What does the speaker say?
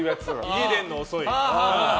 家出るの遅い。